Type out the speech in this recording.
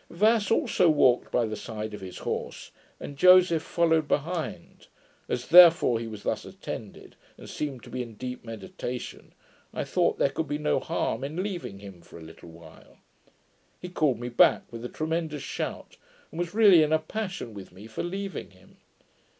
Vass also walked by the side of his horse, and Joseph followed behind: as therefore he was thus attended, and seemed to be in deep meditation, I thought there could be no harm in leaving him for a little while. He called me back with a tremendous shout, and was really in a passion with me for leaving him.